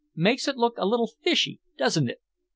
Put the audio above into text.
Makes it look a little fishy, doesn't it?